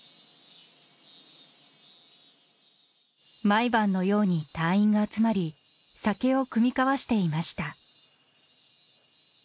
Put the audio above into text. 毎晩のように隊員が集まり酒を酌み交わしていました。